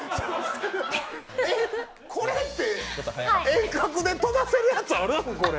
これって遠隔で飛ばせるやつあるん？